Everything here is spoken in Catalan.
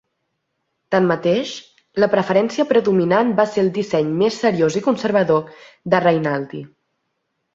Tanmateix, la preferència predominant va ser el disseny més seriós i conservador de Rainaldi.